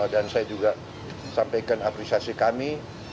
dan saya juga sampaikan apresiasi kami